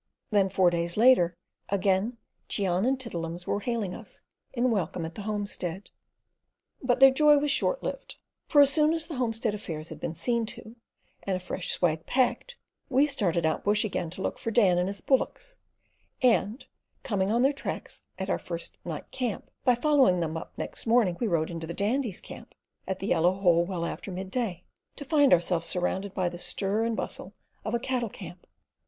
Then, four days later, again Cheon and Tiddle'ums were hailing us in welcome at the homestead. But their joy was short lived, for as soon as the homestead affairs had been seen to, and a fresh swag packed, we started out bush again to look for Dan and his bullocks, and, coming on their tracks at our first night camp, by following them up next morning we rode into the Dandy's camp at the Yellow Hole well after midday, to find ourselves surrounded by the stir and bustle of a cattle camp.